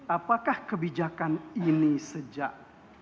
apakah kebijakan ini sejak